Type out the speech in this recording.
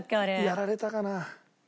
やられたかな。